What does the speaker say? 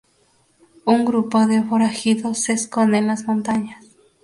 Un grupo de forajidos se esconde en las montañas.